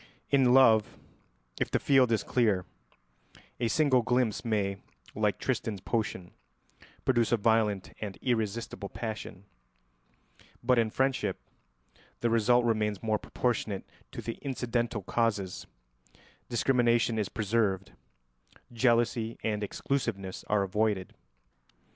In love, if the field is clear, a single glimpse may, like Tristan's potion, produce a violent and irresistible passion; but in friendship the result remains more proportionate to the incidental causes, discrimination is preserved, jealousy and exclusiveness are avoided.